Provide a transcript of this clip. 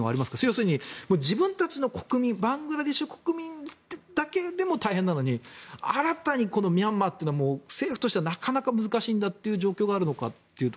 要するに、自分たちの国民バングラデシュ国民だけでも大変なのに新たにミャンマーというのも政府として、なかなか難しいんだという状況があるのか。